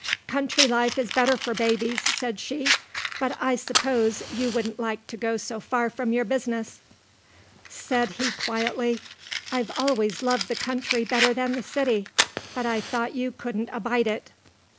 "'Country life is better for babies,' said she, 'but I suppose you wouldn't like to go so far from your business.' "Said he quite quietly, 'I've always loved the country better than the city, but I thought you couldn't abide it.